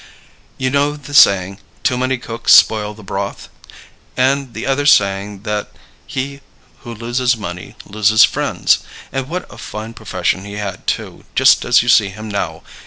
You know the saying, 'Too many cooks spoil the broth,' and the other saying that 'He who loses money loses friends.' And what a fine profession he had, too, just as you see him now!